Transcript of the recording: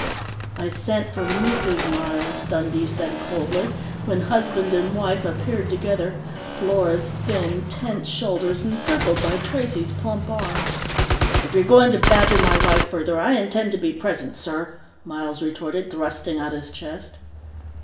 "I sent for Mrs. Miles," Dundee said coldly, when husband and wife appeared together, Flora's thin, tense shoulders encircled by Tracey's plump arm. "If you're going to badger my wife further, I intend to be present, sir!" Miles retorted, thrusting out his chest.